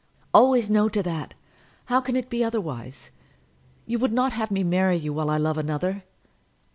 "Always no to that. How can it be otherwise? You would not have me marry you while I love another!"